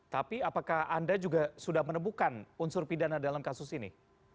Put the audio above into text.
tapi apakah anda juga sudah menemukan unsur pidana dalam kasus ini